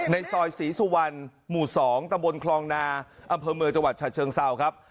ในซอยศรีสุวรรณหมู่๒ตะบนคลองนาอำเภอเมืองจังหวัดฉะเชิงเซาครับ